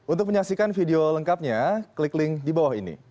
untuk menyaksikan video lengkapnya klik link di bawah ini